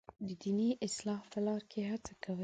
دیني اصلاح په لاره کې هڅه کوي.